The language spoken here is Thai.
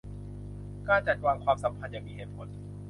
การจัดวางความสัมพันธ์อย่างมีเหตุผล